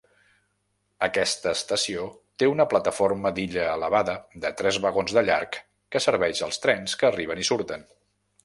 Aquesta estació té una plataforma d'illa elevada de tres vagons de llarg que serveix als trens que arriben i surten.